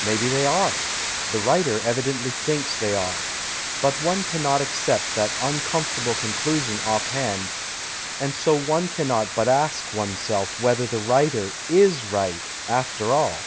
Maybe they are — the ^\Titer evidently thinks they are — but one cannot accept that uncomfortable conclusion offhand, and so one cannot but ask oneself whether the writer is right, after all.